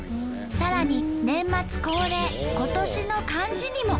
さらに年末恒例「今年の漢字」にも。